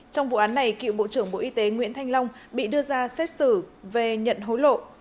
trong vụ án này cựu bộ trưởng bộ y tế nguyễn thanh long bị đưa ra xét xử về nhận hối lộ